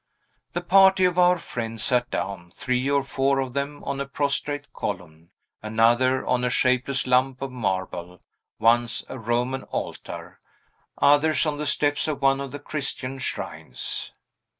The party of our friends sat down, three or four of them on a prostrate column, another on a shapeless lump of marble, once a Roman altar; others on the steps of one of the Christian shrines.